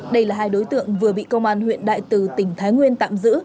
đây là hai đối tượng vừa bị công an huyện đại từ tỉnh thái nguyên tạm giữ